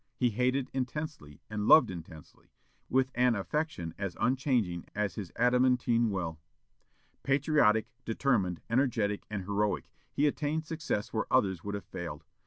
He hated intensely, and loved intensely; with an affection as unchanging as his adamantine will. Patriotic, determined, energetic, and heroic, he attained success where others would have failed.